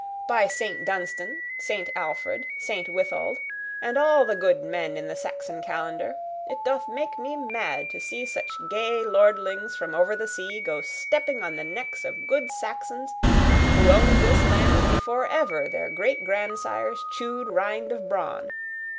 By Saint Dunstan, Saint Alfred, Saint Withold, and all the good men in the Saxon calendar, it doth make me mad to see such gay lordlings from over the sea go stepping on the necks of good Saxons who owned this land before ever their great grandsires chewed rind of brawn!